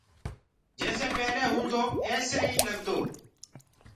جيسي پيلي هوندو ايسو ئي لگدو